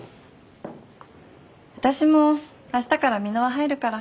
私も明日から美ノ和入るから。